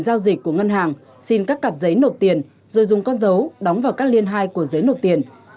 giao dịch của ngân hàng xin các cặp giấy nộp tiền rồi dùng con dấu đóng vào các liên hai của giới nộp tiền